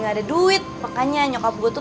gak ada duit makanya nyokap gua tuh